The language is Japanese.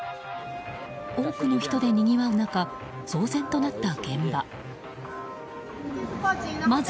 多くの人でにぎわう中騒然となった現場。